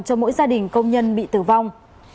cho mỗi gia đình công nhân bị tử vong